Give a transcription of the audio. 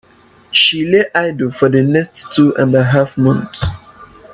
She lay idle for the next two and a half months.